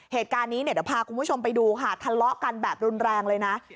เหตุการณ์นี้เนี่ยเดี๋ยวพาคุณผู้ชมไปดูค่ะทะเลาะกันแบบรุนแรงเลยนะ